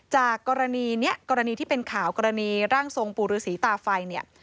จากกรณีนี้กรณีที่เป็นข่าวกรณีร่างทรงปู่หรือสีตาไฟ